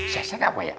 sesek apa ya